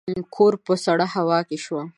کور په سړه هوا کې شو.